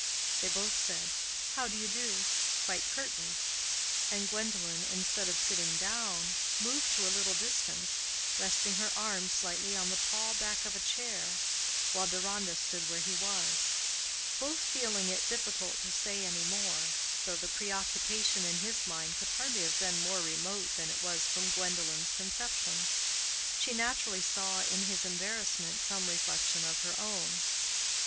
They both said, "How do you do?" quite curtly; and Gwendolen, instead of sitting down, moved to a little distance, resting her arms slightly on the tall back of a chair, while Deronda stood where he was,—both feeling it difficult to say any more, though the preoccupation in his mind could hardly have been more remote than it was from Gwendolen's conception. She naturally saw in his embarrassment some reflection of her own.